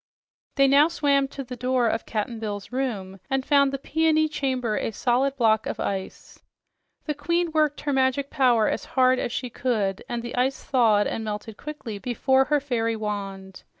They now swam to the door of Cap'n Bill's room and found the Peony Chamber a solid block of ice. The queen worked her magic power as hard as she could, and the ice flowed and melted quickly before her fairy wand.